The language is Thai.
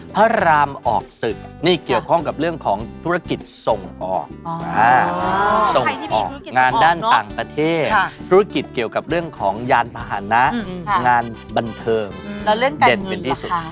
พระรามออกศึกนี่เกี่ยวข้องกับเรื่องของธุรกิจส่งออกส่งออกงานด้านต่างประเทศธุรกิจเกี่ยวกับเรื่องของยานพาหนะงานบันเทิงเด่นเป็นที่สุด